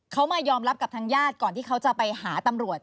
เขามายอมรับกับทางญาติก่อนที่เขาจะไปหาตำรวจ